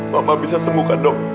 mama bisa sembuh kan dok